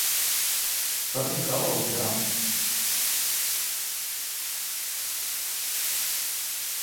Per on cau el Villar?